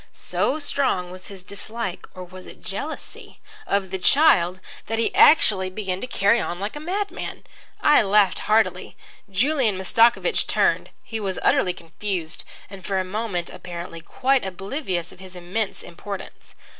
So strong was his dislike (or was it jealousy?) of the child that he actually began to carry on like a madman. I laughed heartily. Julian Mastakovich turned. He was utterly confused and for a moment, apparently, quite oblivious of his immense importance.